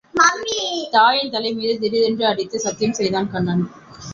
தாயின் தலைமீது திடீரென்று அடித்து சத்தியம் செய்தான் கண்ணன்.